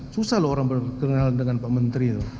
susah loh orang berkenal dengan pak menteri